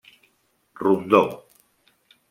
Rondó: